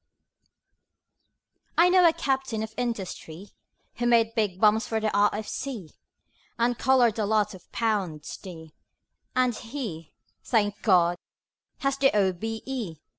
I know a Captain of Industry, Who made big bombs for the R.F.C., And collared a lot of £ s. d. And he thank God! has the O.B.E.